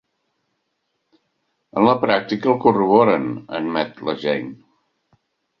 En la pràctica el corroboren —admet la Jane—.